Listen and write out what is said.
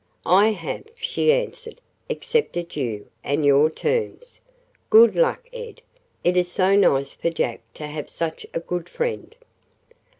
"I have," she answered, "accepted you, and your terms. Good luck, Ed. It is so nice for Jack to have such a good friend."